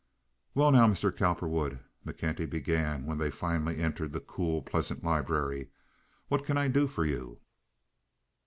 "Well now, Mr. Cowperwood," McKenty began, when they finally entered the cool, pleasant library, "what can I do for you?"